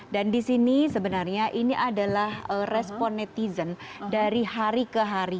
di sini sebenarnya ini adalah respon netizen dari hari ke hari